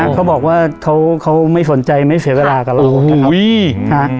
อ๋อเขาบอกว่าเขาเขาไม่สนใจไม่เสียเวลากันแล้วอุ้ยค่ะ